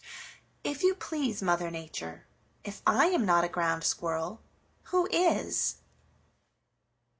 If you please, Mother Nature, if I am not a Ground Squirrel, who is?"